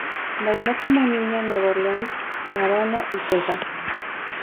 Bailó como niña en New Orleans, La Habana y Texas.